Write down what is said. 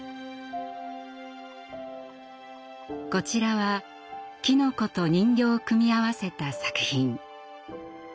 こちらはキノコと人形を組み合わせた作品。